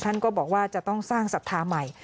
ท่านก็บอกว่าจะต้องสร้างศรัทธาใหม่